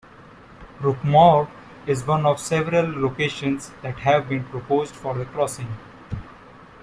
Roquemaure is one of several locations that have been proposed for the crossing.